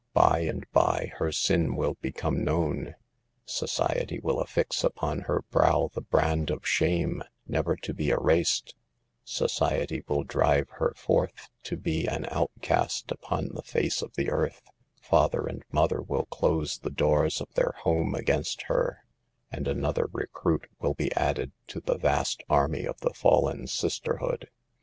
By and by her sin will become known ; society will affix upon her brow the brand of shame, never to be erased ; society will drive her forth to be an outcast upon the face of the earth ; father and mother will close the doors of their home against her ; and another recruit will be added to the vast army of the fallen sisterhood.